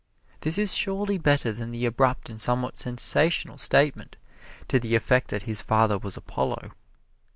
This is surely better than the abrupt and somewhat sensational statement to the effect that his father was Apollo.